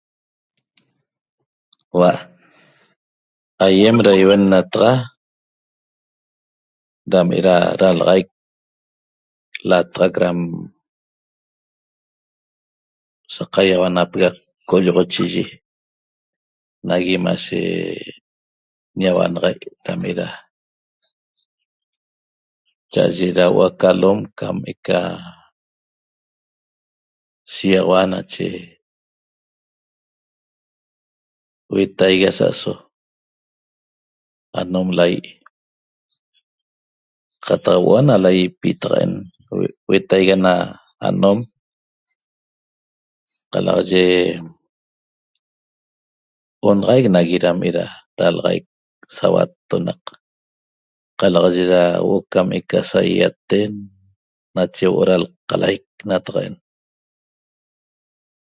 Hua' aiem ra ihuennataxa ram era ralaxaic lataxac ram saqaiauanapega' qolloxochiyi nagui mashe ñahuanaxa'e ram era cha'aye ra huo’o ca alom cam eca shigaxaua nache huetaigui asa aso anom lai' qataq huo'o na laiepi taqaen huetaigui ana anom qalaxaye onaxaic nagui ram era ralaxaic sauattonaq qalaxaye ra huo'o cam eca saiaiaten mache huo’o ra lqalaic nataqa'en